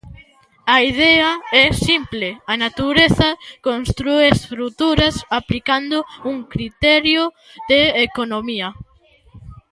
A idea é simple: a natureza constrúe estruturas aplicando un criterio de economía.